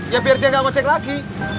ya biar dia gak ngocek lagi